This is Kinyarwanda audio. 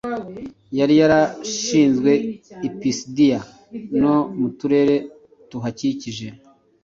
yari yarashinzwe i Pisidiya no mu turere tuhakikije.